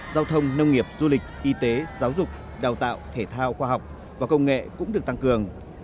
giao thông nông nghiệp du lịch y tế giáo dục đào tạo thể thao khoa học và công nghệ cũng được tăng cường